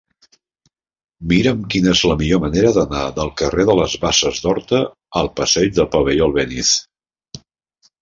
Mira'm quina és la millor manera d'anar del carrer de les Basses d'Horta al passeig del Pavelló Albéniz.